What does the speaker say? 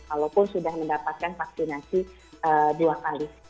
kalaupun sudah mendapatkan vaksinasi dua kali